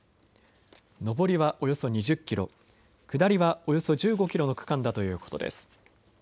上りはおよそ２０キロ、下りはおよそ１５キロの区間だということです。